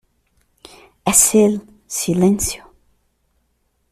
¡ Es él! ¡ silencio !